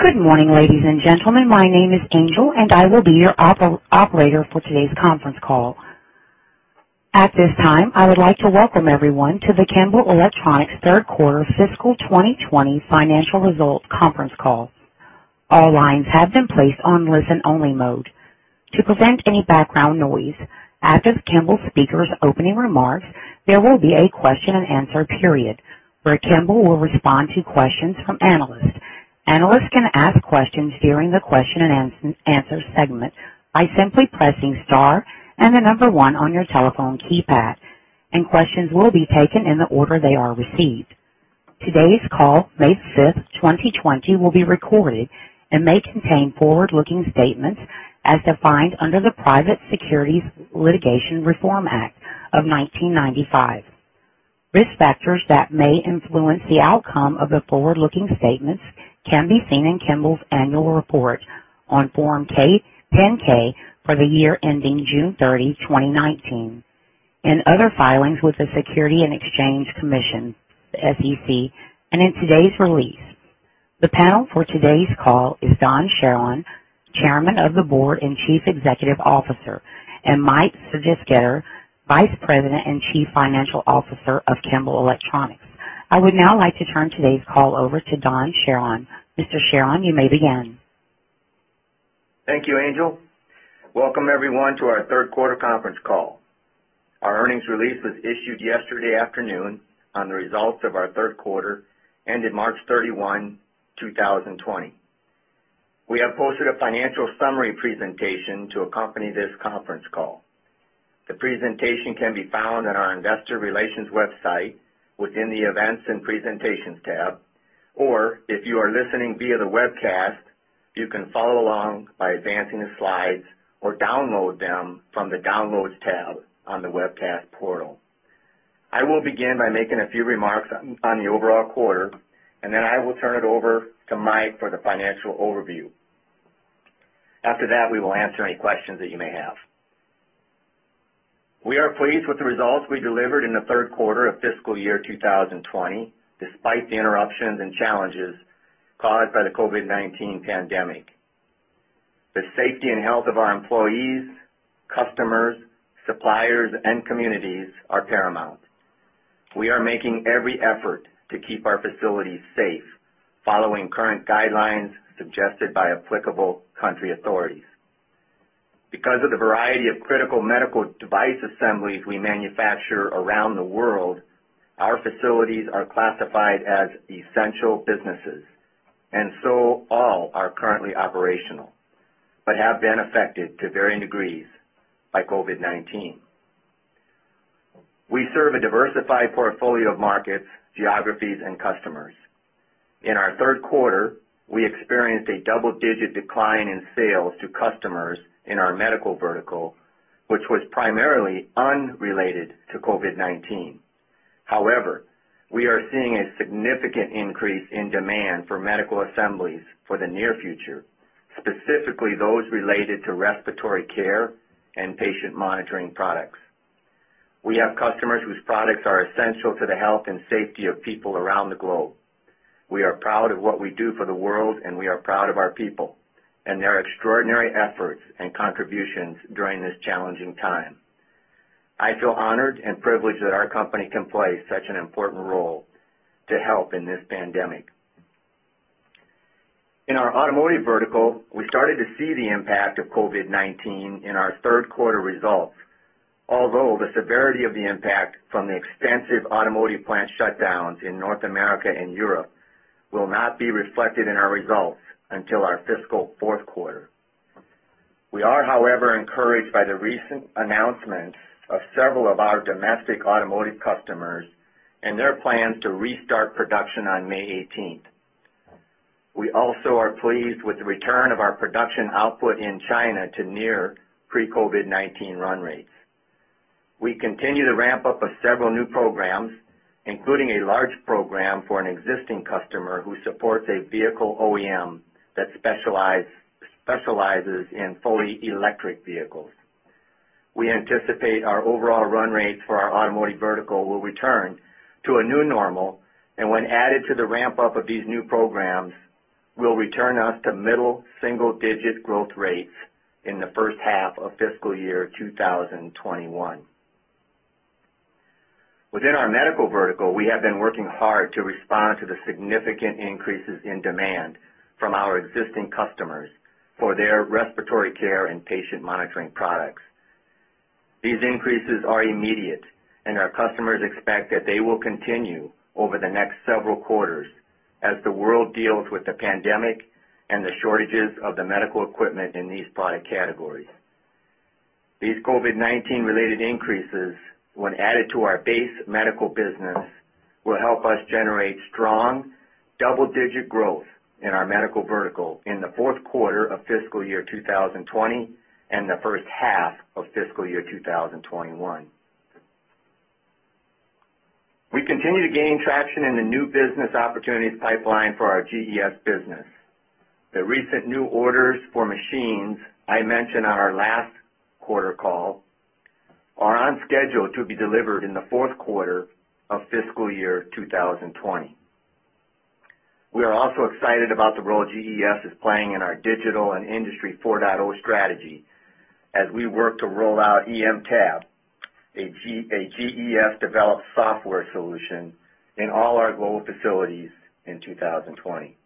Good morning, ladies and gentlemen. My name is Angel, and I will be your operator for today's conference call. At this time, I would like to welcome everyone to the Kimball Electronics third quarter fiscal 2020 financial results conference call. All lines have been placed on listen-only mode. To prevent any background noise, after Kimball's speakers' opening remarks, there will be a question and answer period where Kimball will respond to questions from analysts. Analysts can ask questions during the question and answer segment by simply pressing star and the number 1 on your telephone keypad, questions will be taken in the order they are received. Today's call, May 5th, 2020, will be recorded and may contain forward-looking statements as defined under the Private Securities Litigation Reform Act of 1995. Risk factors that may influence the outcome of the forward-looking statements can be seen in Kimball's annual report on Form 10-K for the year ending June 30, 2019, and other filings with the Securities and Exchange Commission, the SEC, and in today's release. The panel for today's call is Don Charron, Chairman of the Board and Chief Executive Officer, and Mike Sergesketter, Vice President and Chief Financial Officer of Kimball Electronics. I would now like to turn today's call over to Don Charron. Mr. Charron, you may begin. Thank you, Angel. Welcome, everyone, to our third quarter conference call. Our earnings release was issued yesterday afternoon on the results of our third quarter, ended March 31, 2020. We have posted a financial summary presentation to accompany this conference call. The presentation can be found on our investor relations website within the Events and Presentations tab, or if you are listening via the webcast, you can follow along by advancing the slides or download them from the Downloads tab on the webcast portal. I will begin by making a few remarks on the overall quarter, and then I will turn it over to Mike for the financial overview. After that, we will answer any questions that you may have. We are pleased with the results we delivered in the third quarter of fiscal year 2020, despite the interruptions and challenges caused by the COVID-19 pandemic. The safety and health of our employees, customers, suppliers, and communities are paramount. We are making every effort to keep our facilities safe, following current guidelines suggested by applicable country authorities. Because of the variety of critical medical device assemblies we manufacture around the world, our facilities are classified as essential businesses, all are currently operational, but have been affected to varying degrees by COVID-19. We serve a diversified portfolio of markets, geographies, and customers. In our third quarter, we experienced a double-digit decline in sales to customers in our medical vertical, which was primarily unrelated to COVID-19. We are seeing a significant increase in demand for medical assemblies for the near future, specifically those related to respiratory care and patient monitoring products. We have customers whose products are essential to the health and safety of people around the globe. We are proud of what we do for the world, and we are proud of our people and their extraordinary efforts and contributions during this challenging time. I feel honored and privileged that our company can play such an important role to help in this pandemic. In our automotive vertical, we started to see the impact of COVID-19 in our third quarter results, although the severity of the impact from the extensive automotive plant shutdowns in North America and Europe will not be reflected in our results until our fiscal fourth quarter. We are, however, encouraged by the recent announcement of several of our domestic automotive customers and their plans to restart production on May 18th. We also are pleased with the return of our production output in China to near pre-COVID-19 run rates. We continue to ramp up of several new programs, including a large program for an existing customer who supports a vehicle OEM that specializes in fully electric vehicles. We anticipate our overall run rates for our automotive vertical will return to a new normal, and when added to the ramp-up of these new programs, will return us to middle single-digit growth rates in the first half of fiscal year 2021. Within our medical vertical, we have been working hard to respond to the significant increases in demand from our existing customers for their respiratory care and patient monitoring products. These increases are immediate, and our customers expect that they will continue over the next several quarters as the world deals with the pandemic and the shortages of the medical equipment in these product categories. These COVID-19 related increases, when added to our base medical business, will help us generate strong double-digit growth in our medical vertical in the fourth quarter of fiscal year 2020 and the first half of fiscal year 2021. We continue to gain traction in the new business opportunities pipeline for our GES business. The recent new orders for machines I mentioned on our last quarter call are on schedule to be delivered in the fourth quarter of fiscal year 2020. We are also excited about the role GES is playing in our digital and Industry 4.0 strategy as we work to roll out EMTab, a GES-developed software solution in all our global facilities in 2020.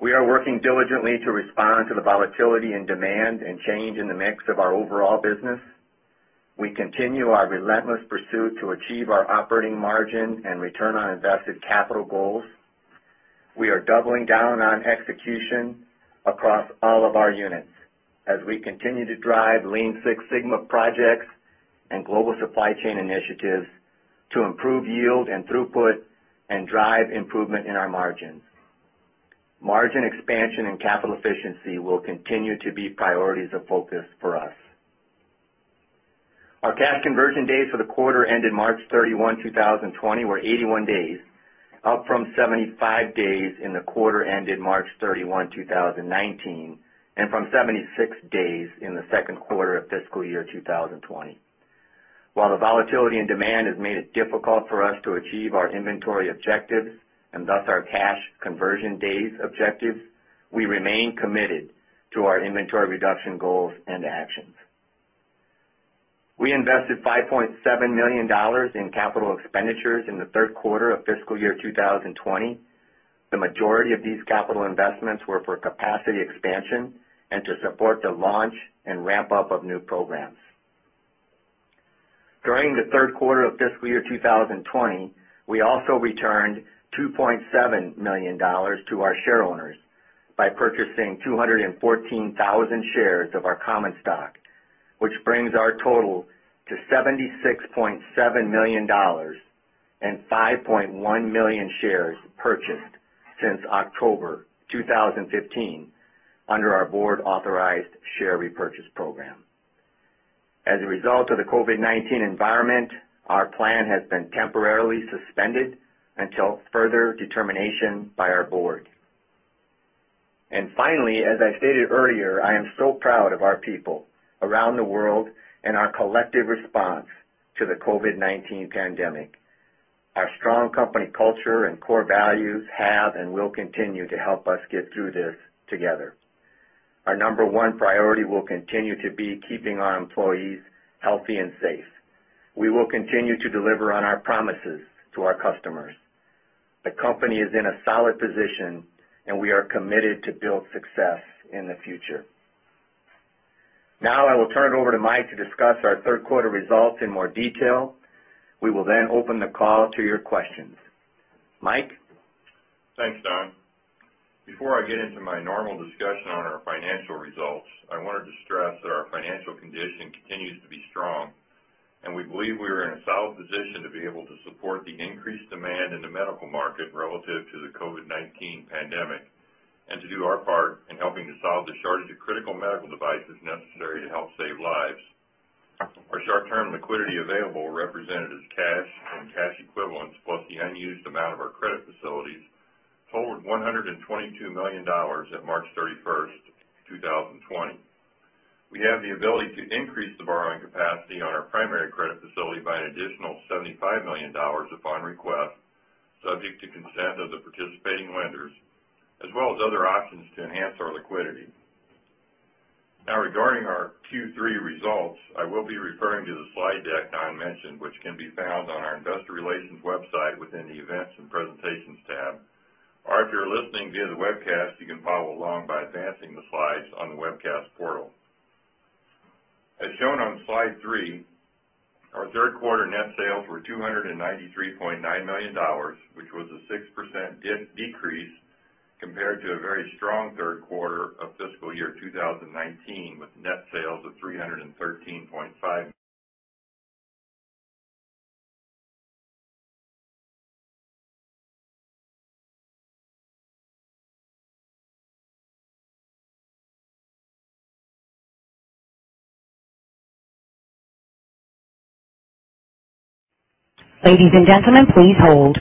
We are working diligently to respond to the volatility in demand and change in the mix of our overall business. We continue our relentless pursuit to achieve our operating margin and return on invested capital goals. We are doubling down on execution across all of our units as we continue to drive Lean Six Sigma projects and global supply chain initiatives to improve yield and throughput and drive improvement in our margins. Margin expansion and capital efficiency will continue to be priorities of focus for us. Our cash conversion days for the quarter ended March 31, 2020, were 81 days, up from 75 days in the quarter ended March 31, 2019, and from 76 days in the second quarter of fiscal year 2020. While the volatility in demand has made it difficult for us to achieve our inventory objectives and thus our cash conversion days objectives, we remain committed to our inventory reduction goals and actions. We invested $5.7 million in capital expenditures in the third quarter of fiscal year 2020. The majority of these capital investments were for capacity expansion and to support the launch and ramp-up of new programs. During the third quarter of fiscal year 2020, we also returned $2.7 million to our shareowners by purchasing 214,000 shares of our common stock, which brings our total to $76.7 million and 5.1 million shares purchased since October 2015 under our board-authorized share repurchase program. As a result of the COVID-19 environment, our plan has been temporarily suspended until further determination by our board. Finally, as I stated earlier, I am so proud of our people around the world and our collective response to the COVID-19 pandemic. Our strong company culture and core values have and will continue to help us get through this together. Our number one priority will continue to be keeping our employees healthy and safe. We will continue to deliver on our promises to our customers. The company is in a solid position, and we are committed to build success in the future. Now, I will turn it over to Mike to discuss our third quarter results in more detail. We will then open the call to your questions. Mike? Thanks, Don. Before I get into my normal discussion on our financial results, I wanted to stress that our financial condition continues to be strong, and we believe we are in a solid position to be able to support the increased demand in the medical market relative to the COVID-19 pandemic, and to do our part in helping to solve the shortage of critical medical devices necessary to help save lives. Our short-term liquidity available, represented as cash and cash equivalents, plus the unused amount of our credit facilities, totaled $122 million at March 31st, 2020. We have the ability to increase the borrowing capacity on our primary credit facility by an additional $75 million upon request, subject to consent of the participating lenders, as well as other options to enhance our liquidity. Now, regarding our Q3 results, I will be referring to the slide deck Don mentioned, which can be found on our investor relations website within the Events and Presentations tab. If you're listening via the webcast, you can follow along by advancing the slides on the webcast portal. As shown on slide three, our third quarter net sales were $293.9 million, which was a 6% decrease compared to a very strong third quarter of fiscal year 2019, with net sales of 313.5... Ladies and gentlemen, please hold.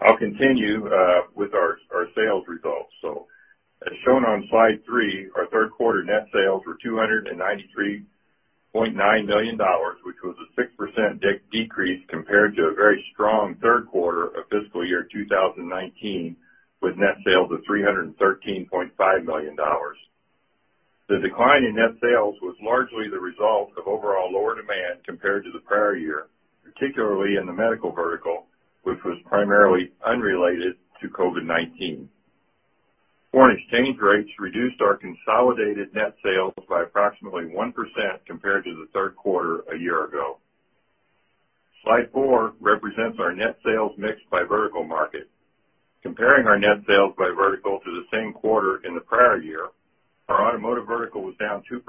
I'll continue with our sales results. As shown on slide three, our third quarter net sales were $293.9 million, which was a 6% decrease compared to a very strong third quarter of fiscal year 2019, with net sales of $313.5 million. The decline in net sales was largely the result of overall lower demand compared to the prior year, particularly in the medical vertical, which was primarily unrelated to COVID-19. Foreign exchange rates reduced our consolidated net sales by approximately 1% compared to the third quarter a year ago. Slide four represents our net sales mix by vertical market. Comparing our net sales by vertical to the same quarter in the prior year, our automotive vertical was down 2%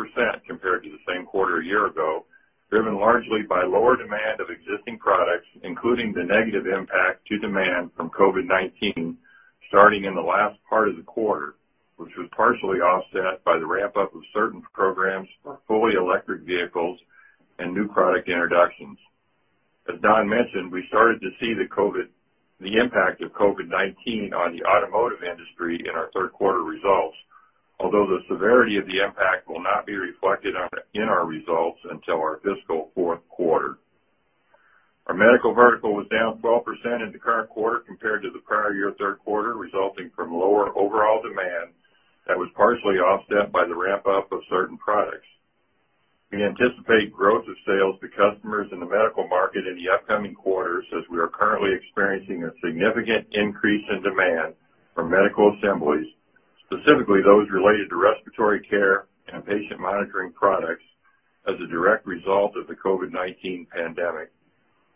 compared to the same quarter a year ago, driven largely by lower demand of existing products, including the negative impact to demand from COVID-19 starting in the last part of the quarter, which was partially offset by the ramp-up of certain programs for fully electric vehicles and new product introductions. As Don mentioned, we started to see the impact of COVID-19 on the automotive industry in our third quarter results. Although the severity of the impact will not be reflected in our results until our fiscal fourth quarter. Our medical vertical was down 12% in the current quarter compared to the prior year third quarter, resulting from lower overall demand that was partially offset by the ramp-up of certain products. We anticipate growth of sales to customers in the medical market in the upcoming quarters as we are currently experiencing a significant increase in demand for medical assemblies, specifically those related to respiratory care and patient monitoring products as a direct result of the COVID-19 pandemic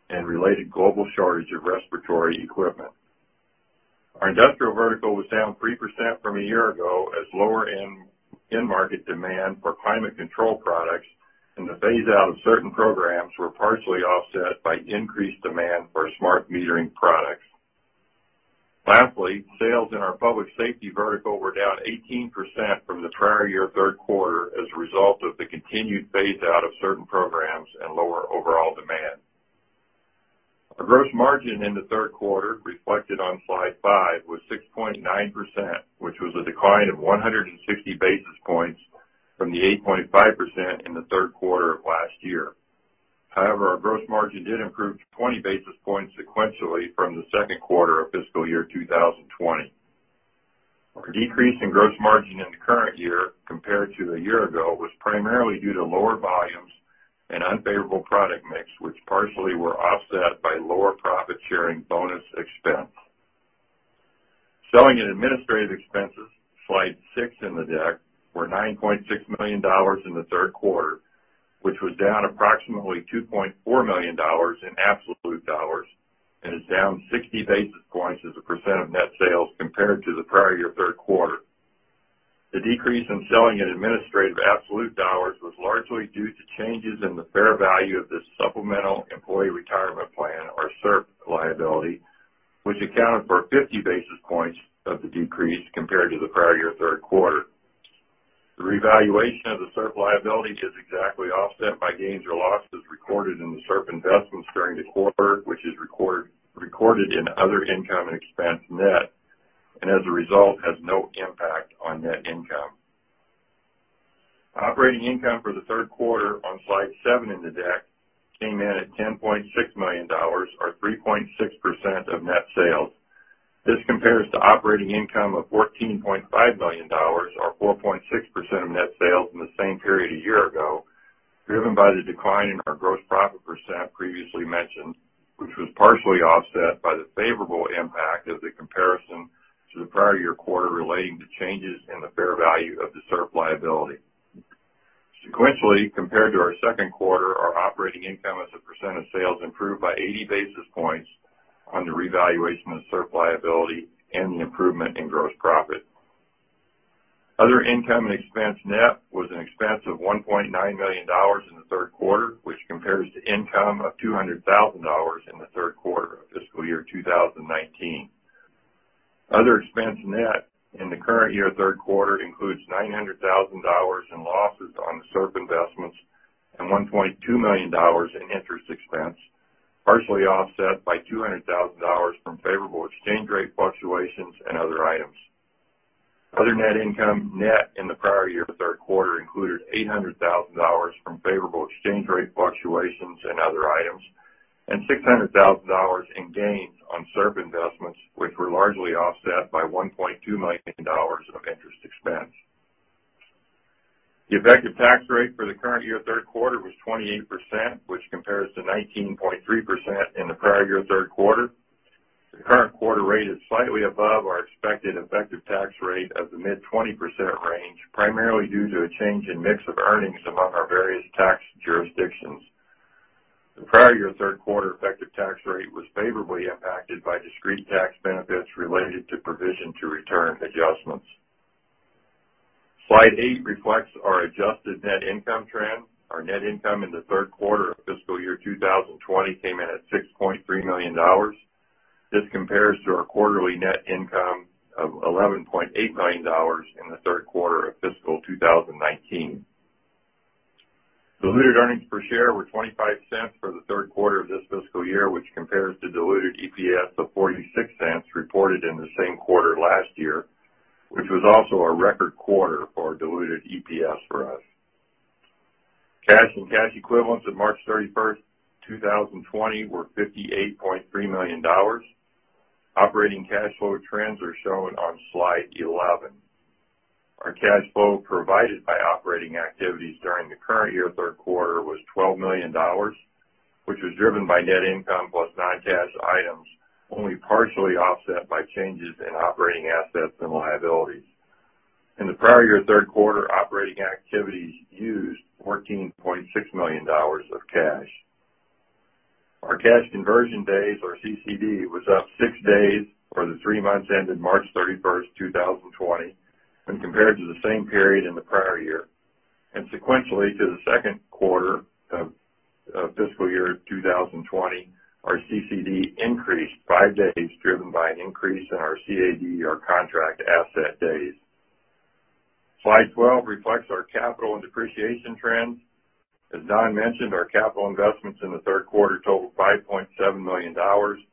and related global shortage of respiratory equipment. Our industrial vertical was down 3% from a year ago as lower end market demand for climate control products and the phase-out of certain programs were partially offset by increased demand for smart metering products. Lastly, sales in our public safety vertical were down 18% from the prior year third quarter as a result of the continued phase-out of certain programs and lower overall demand. Our gross margin in the third quarter, reflected on slide five, was 6.9%, which was a decline of 160 basis points from the 8.5% in the third quarter of last year. Our gross margin did improve 20 basis points sequentially from the second quarter of fiscal year 2020. Our decrease in gross margin in the current year compared to a year ago was primarily due to lower volumes and unfavorable product mix, which partially were offset by lower profit-sharing bonus expense. Selling and administrative expenses, slide six in the deck, were $9.6 million in the third quarter, which was down approximately $2.4 million in absolute dollars, and is down 60 basis points as a percent of net sales compared to the prior year third quarter. The decrease in selling and administrative absolute dollars was largely due to changes in the fair value of the supplemental employee retirement plan, or SERP liability, which accounted for 50 basis points of the decrease compared to the prior year third quarter. The revaluation of the SERP liability is exactly offset by gains or losses recorded in the SERP investments during the quarter, which is recorded in other income and expense net, and as a result, has no impact on net income. Operating income for the third quarter on slide seven in the deck came in at $10.6 million, or 3.6% of net sales. This compares to operating income of $14.5 million, or 4.6% of net sales in the same period a year ago, driven by the decline in our gross profit percent previously mentioned, which was partially offset by the favorable impact of the comparison to the prior year quarter relating to changes in the fair value of the SERP liability. Sequentially, compared to our second quarter, our operating income as a percent of sales improved by 80 basis points on the revaluation of SERP liability and the improvement in gross profit. Other income and expense net was an expense of $1.9 million in the third quarter, which compares to income of $200,000 in the third quarter of fiscal year 2019. Other expense net in the current year third quarter includes $900,000 in losses on the SERP investments and $1.2 million in interest expense, partially offset by $200,000 from favorable exchange rate fluctuations and other items. Other net income net in the prior year third quarter included $800,000 from favorable exchange rate fluctuations and other items, and $600,000 in gains on SERP investments, which were largely offset by $1.2 million of interest expense. The effective tax rate for the current year third quarter was 28%, which compares to 19.3% in the prior year third quarter. The current quarter rate is slightly above our expected effective tax rate of the mid-20% range, primarily due to a change in mix of earnings among our various tax jurisdictions. The prior year third quarter effective tax rate was favorably impacted by discrete tax benefits related to provision to return adjustments. Slide eight reflects our adjusted net income trend. Our net income in the third quarter of fiscal year 2020 came in at $6.3 million. This compares to our quarterly net income of $11.8 million in the third quarter of fiscal 2019. Diluted earnings per share were $0.25 for the third quarter of this fiscal year, which compares to diluted EPS of $0.46 reported in the same quarter last year. Which was also a record quarter for our diluted EPS for us. Cash and cash equivalents at March 31st, 2020, were $58.3 million. Operating cash flow trends are shown on slide 11. Our cash flow provided by operating activities during the current year third quarter was $12 million, which was driven by net income plus non-cash items, only partially offset by changes in operating assets and liabilities. In the prior year third quarter, operating activities used $14.6 million of cash. Our cash conversion days, or CCD, was up six days for the three months ended March 31st, 2020, when compared to the same period in the prior year. Sequentially to the second quarter of fiscal year 2020, our CCD increased five days driven by an increase in our CAD, our contract asset days. Slide 12 reflects our capital and depreciation trends. As Don mentioned, our capital investments in the third quarter totaled $5.7 million, largely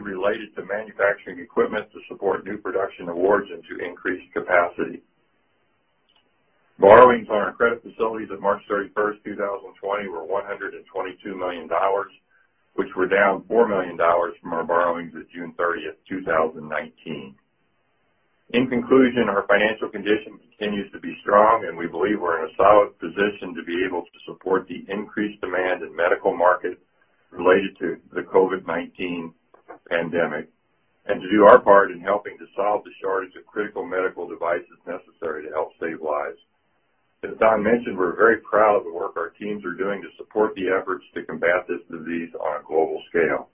related to manufacturing equipment to support new production awards and to increase capacity. Borrowings on our credit facilities at March 31st, 2020, were $122 million, which were down $4 million from our borrowings at June 30th, 2019. In conclusion, our financial condition continues to be strong, and we believe we're in a solid position to be able to support the increased demand in medical market related to the COVID-19 pandemic and to do our part in helping to solve the shortage of critical medical devices necessary to help save lives. As Don mentioned, we're very proud of the work our teams are doing to support the efforts to combat this disease on a global scale.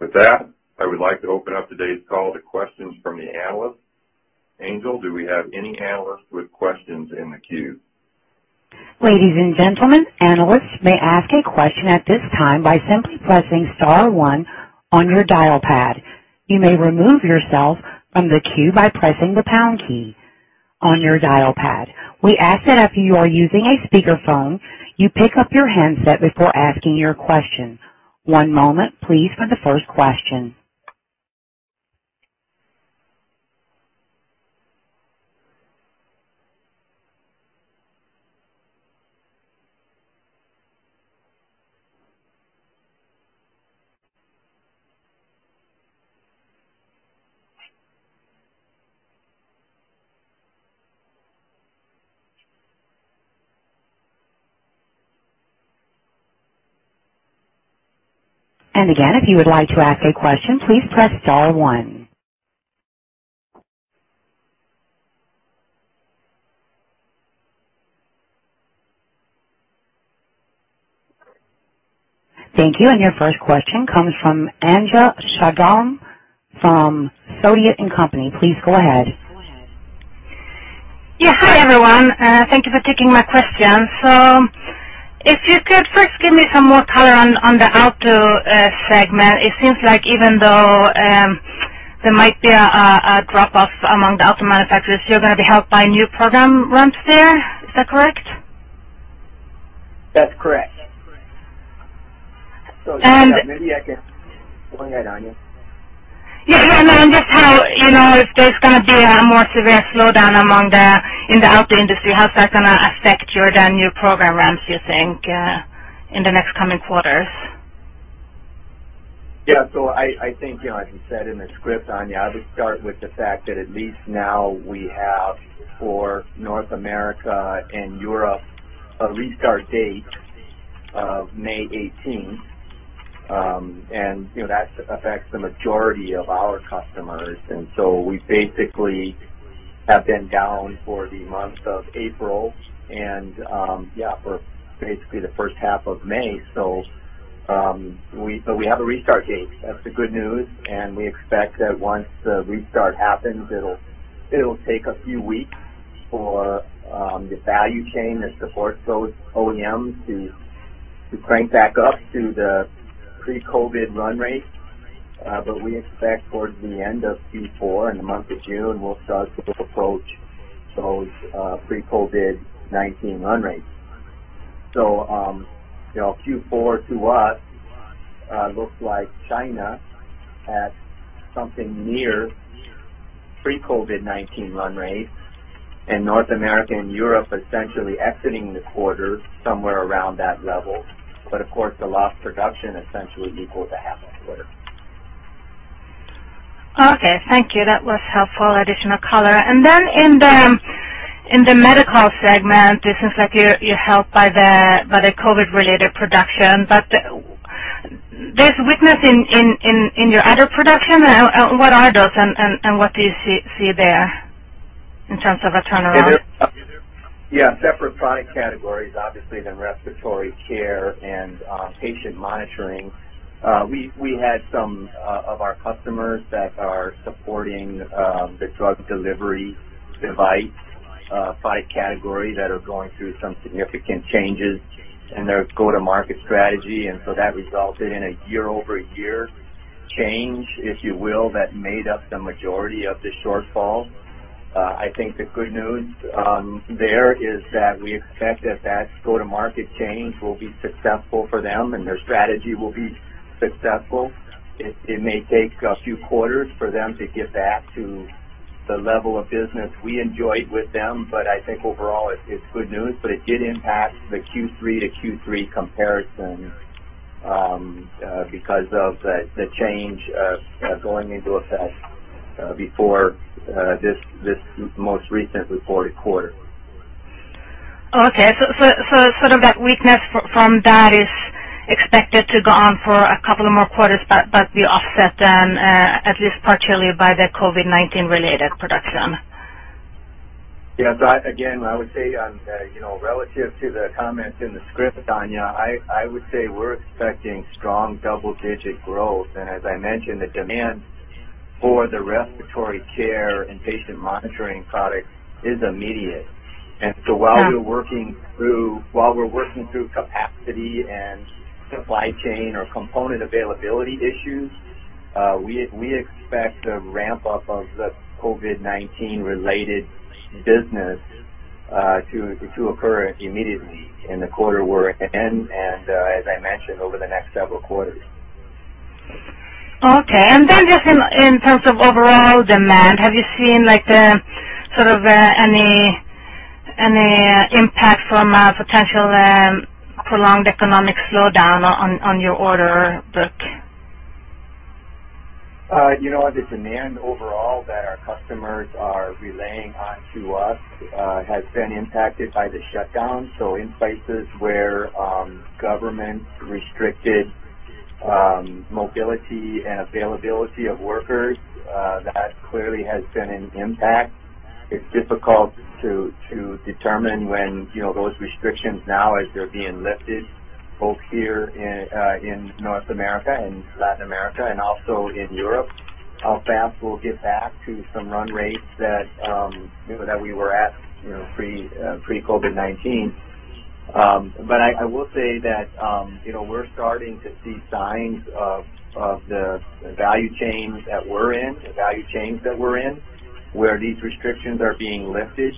With that, I would like to open up today's call to questions from the analysts. Angel, do we have any analysts with questions in the queue? Ladies and gentlemen, analysts may ask a question at this time by simply pressing star one on your dial pad. You may remove yourself from the queue by pressing the pound key on your dial pad. We ask that if you are using a speakerphone, you pick up your handset before asking your question. One moment please for the first question. Again, if you would like to ask a question, please press star one. Thank you. Your first question comes from Anja Soderstrom from Sidoti & Company. Please go ahead. Yeah. Hi, everyone. Thank you for taking my question. If you could first give me some more color on the auto segment. It seems like even though there might be a drop off among the auto manufacturers, you're going to be helped by new program ramps there. Is that correct? That's correct. And- Maybe I can. Go ahead, Anja. Yeah. Just how, if there's going to be a more severe slowdown in the auto industry, how's that going to affect your new program ramps, you think, in the next coming quarters? Yeah. I think, as we said in the script, Anja, I would start with the fact that at least now we have, for North America and Europe, a restart date of May 18th. That affects the majority of our customers. We basically have been down for the month of April and, yeah, for basically the first half of May. We have a restart date. That's the good news. We expect that once the restart happens, it'll take a few weeks for the value chain that supports those OEMs to crank back up to the pre-COVID run rate. We expect towards the end of Q4, in the month of June, we'll start to approach those pre-COVID-19 run rates. Q4 to us looks like China at something near pre-COVID-19 run rates, and North America and Europe essentially exiting the quarter somewhere around that level. Of course, the lost production essentially equaled a half a quarter. Okay. Thank you. That was helpful additional color. In the medical segment, it seems like you're helped by the COVID-related production, but there's weakness in your other production. What are those, and what do you see there in terms of a turnaround? Yeah. Separate product categories, obviously, than respiratory care and patient monitoring. We had some of our customers that are supporting the drug delivery device product category that are going through some significant changes in their go-to-market strategy. That resulted in a year-over-year change, if you will, that made up the majority of the shortfall. I think the good news there is that we expect that that go-to-market change will be successful for them and their strategy will be successful. It may take a few quarters for them to get back to the level of business we enjoyed with them, but I think overall, it's good news. It did impact the Q3 to Q3 comparison, because of the change going into effect before this most recently reported quarter. Okay. Sort of that weakness from that is expected to go on for a couple of more quarters, but be offset then, at least partially, by the COVID-19 related production. Yes. Again, I would say, relative to the comments in the script, Anja, I would say we're expecting strong double-digit growth. As I mentioned, the demand for the respiratory care and patient monitoring products is immediate. Yeah. While we're working through capacity and supply chain or component availability issues, we expect a ramp-up of the COVID-19 related business to occur immediately in the quarter we're in and, as I mentioned, over the next several quarters. Okay. Just in terms of overall demand, have you seen any impact from a potential prolonged economic slowdown on your order book? The demand overall that our customers are relaying on to us has been impacted by the shutdown. In places where governments restricted mobility and availability of workers, that clearly has been an impact. It's difficult to determine when those restrictions now, as they're being lifted, both here in North America and Latin America and also in Europe, how fast we'll get back to some run rates that we were at pre-COVID-19. I will say that we're starting to see signs of the value chains that we're in, where these restrictions are being lifted.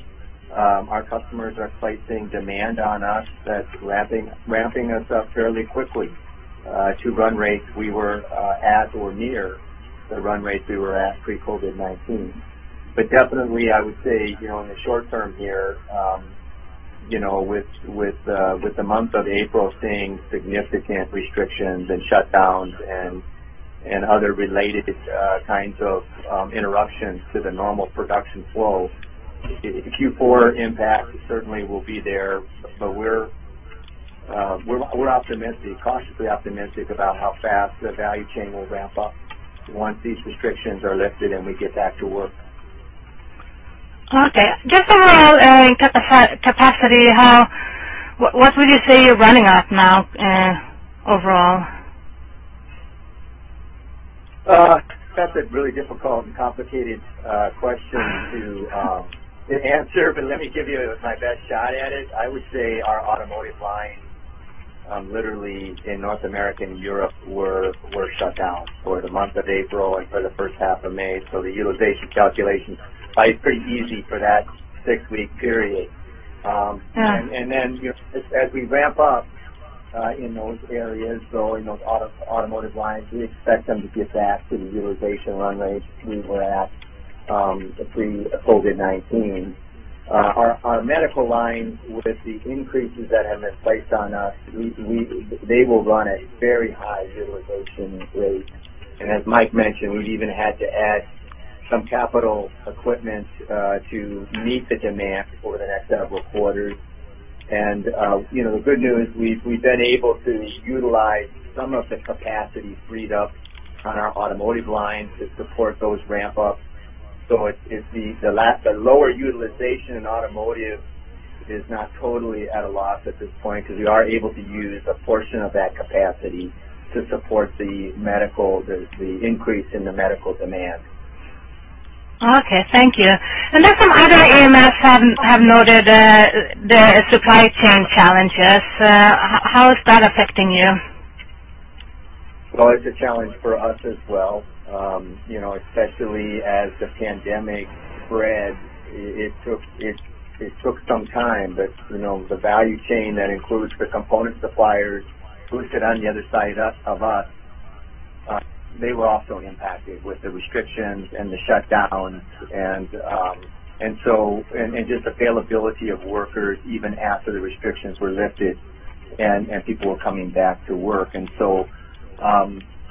Our customers are placing demand on us that's ramping us up fairly quickly to run rates we were at or near the run rates we were at pre-COVID-19. Definitely, I would say, in the short term here, with the month of April seeing significant restrictions and shutdowns and other related kinds of interruptions to the normal production flow, Q4 impact certainly will be there. We're cautiously optimistic about how fast the value chain will ramp up once these restrictions are lifted and we get back to work. Okay. Just overall capacity, what would you say you're running at now overall? That's a really difficult and complicated question to answer, but let me give you my best shot at it. I would say our automotive lines literally in North America and Europe were shut down for the month of April and for the first half of May. The utilization calculation is pretty easy for that 6-week period. Yeah. As we ramp up in those areas, or in those automotive lines, we expect them to get back to the utilization run rates we were at pre-COVID-19. Our medical line, with the increases that have been placed on us, they will run at very high utilization rates. As Mike mentioned, we've even had to add some capital equipment to meet the demand for the next several quarters. The good news, we've been able to utilize some of the capacity freed up on our automotive lines to support those ramp-ups. The lower utilization in automotive is not totally at a loss at this point, because we are able to use a portion of that capacity to support the increase in the medical demand. Okay, thank you. Some other EMS have noted the supply chain challenges. How is that affecting you? It's a challenge for us as well. Especially as the pandemic spread, it took some time. The value chain that includes the component suppliers who sit on the other side of us, they were also impacted with the restrictions and the shutdowns and just availability of workers, even after the restrictions were lifted and people were coming back to work.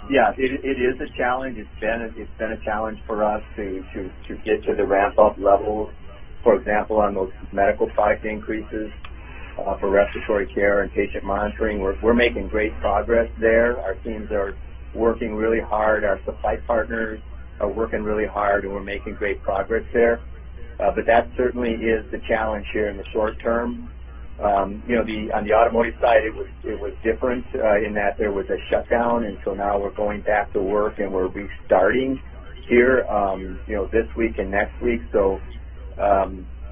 Yeah, it is a challenge. It's been a challenge for us to get to the ramp-up levels. For example, on those medical price increases for respiratory care and patient monitoring, we're making great progress there. Our teams are working really hard. Our supply partners are working really hard, and we're making great progress there. That certainly is the challenge here in the short term. On the automotive side, it was different in that there was a shutdown, now we're going back to work and we're restarting here this week and next week.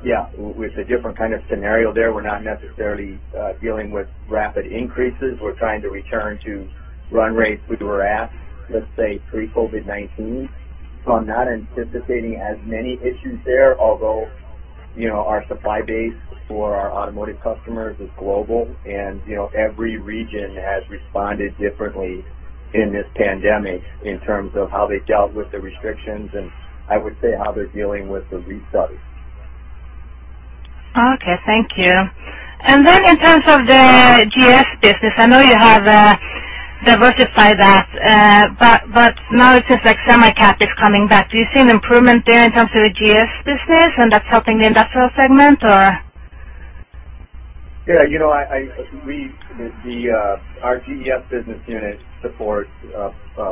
Yeah, with a different kind of scenario there. We're not necessarily dealing with rapid increases. We're trying to return to run rates we were at, let's say, pre-COVID-19. I'm not anticipating as many issues there, although our supply base for our automotive customers is global, and every region has responded differently in this pandemic in terms of how they've dealt with the restrictions and I would say how they're dealing with the restart. Okay, thank you. In terms of the GES business, I know you have diversified that, but now it seems like semi cap is coming back. Do you see an improvement there in terms of the GES business and that's helping the industrial segment or? Yeah. Our GES business unit supports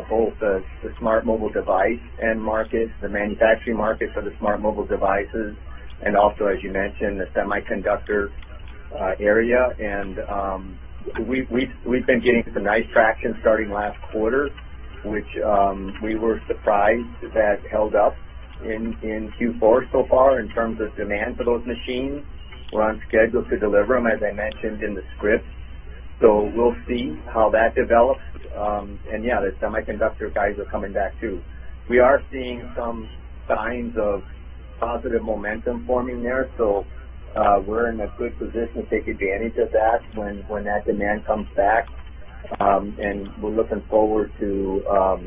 both the smart mobile device end markets, the manufacturing markets for the smart mobile devices, and also, as you mentioned, the semiconductor area. We've been getting some nice traction starting last quarter, which we were surprised has held up in Q4 so far in terms of demand for those machines. We're on schedule to deliver them, as I mentioned in the script. We'll see how that develops. Yeah, the semiconductor guys are coming back too. We are seeing some signs of positive momentum forming there. We're in a good position to take advantage of that when that demand comes back. We're looking forward to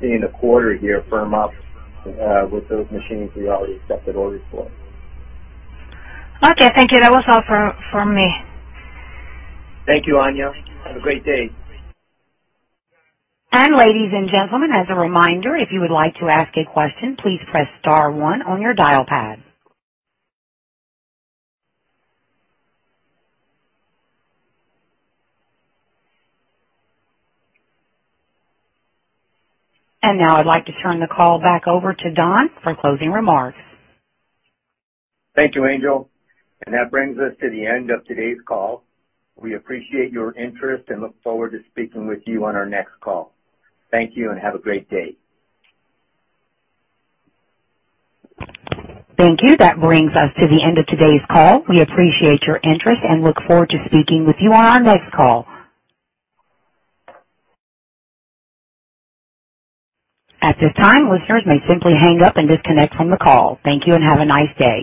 seeing the quarter here firm up with those machines we already accepted orders for. Okay. Thank you. That was all from me. Thank you, Anja. Have a great day. Ladies and gentlemen, as a reminder, if you would like to ask a question, please press star one on your dial pad. Now I'd like to turn the call back over to Don for closing remarks. Thank you, Angel. That brings us to the end of today's call. We appreciate your interest and look forward to speaking with you on our next call. Thank you and have a great day. Thank you. That brings us to the end of today's call. We appreciate your interest and look forward to speaking with you on our next call. At this time, listeners may simply hang up and disconnect from the call. Thank you and have a nice day.